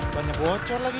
hai banyak bocor lagi